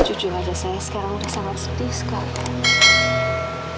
jujur aja saya sekarang udah sangat sedih sekali